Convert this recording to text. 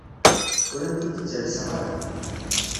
Ur am-t-id-ttalseɣ ara.